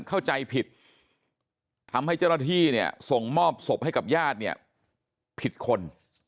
เข้าใจผิดทำให้เจ้าหน้าที่ส่งมอบสบให้กับญาติผิดคน